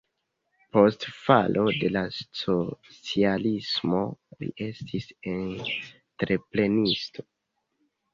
Post falo de la socialismo li estis entreprenisto.